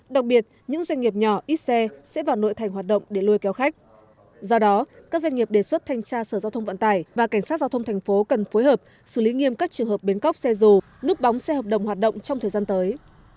đặc biệt những doanh nghiệp nhỏ ít xe sẽ vào nội thành hoạt động để lôi kéo khách do đó các doanh nghiệp đề xuất thanh tra sở giao thông vận tải và cảnh sát giao thông thành phố cần phối hợp xử lý nghiêm các trường hợp bến cóc xe dù núp bóng xe hợp đồng hoạt động trong thời gian tới